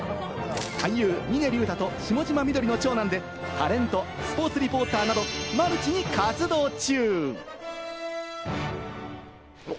俳優・峰竜太と下嶋美どりの長男でタレント、スポーツリポーターなどマルチに活動中。